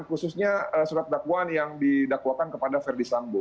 khususnya surat dakwaan yang didakwakan kepada verdi sambo